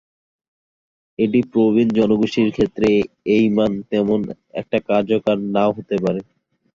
এটি প্রবীণ জনগোষ্ঠীর ক্ষেত্রে এই মান তেমন একটা কার্যকর নাও হতে পারে।